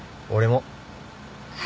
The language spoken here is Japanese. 俺も。